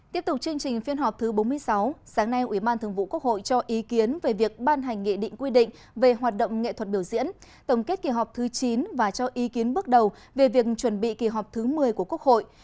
tiếp tục chương trình phiên họp thứ bốn mươi sáu sáng nay ủy ban thường vụ quốc hội cho ý kiến về việc ban hành nghị định quy định về hoạt động nghệ thuật biểu diễn tổng kết kỳ họp thứ chín và cho ý kiến bước đầu về việc chuẩn bị kỳ họp thứ một mươi của quốc hội